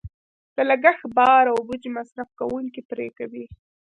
د لګښت بار او بوج مصرف کوونکې پرې کوي.